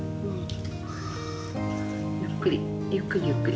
ゆっくりゆっくりゆっくり。